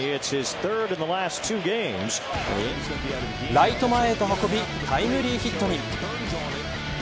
ライト前へと運びタイムリーヒットに。